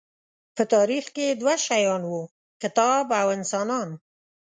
په تاریخ کې دوه شیان وو، کتاب او انسانان.